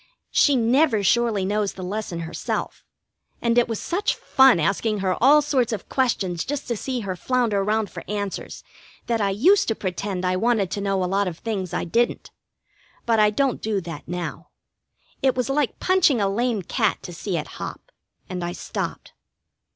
She never surely knows the lesson herself, and it was such fun asking her all sorts of questions just to see her flounder round for answers that I used to pretend I wanted to know a lot of things I didn't. But I don't do that now. It was like punching a lame cat to see it hop, and I stopped.